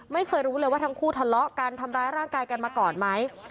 ไม่เคยรู้เลยว่าทั้งคู่ทะเลาะกันทำร้ายร่างกายกันมาก่อนไหม